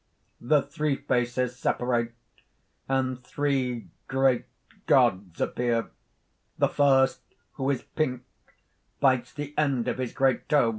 (The three faces separate; and three great gods appear. _The first, who is pink, bites the end of his great toe.